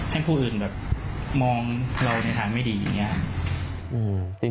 ให้ผู้อื่นแบบมองเราในทางไม่ดีอย่างนี้